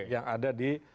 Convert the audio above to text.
yang ada di